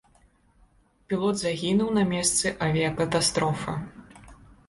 Пілот загінуў на месцы авіякатастрофы.